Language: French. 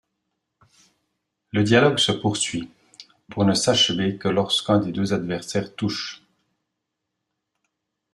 Le dialogue se poursuit, pour ne s'achever que lorsque l'un des deux adversaires touche.